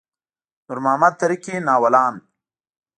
نور محمد تره کي ناولان.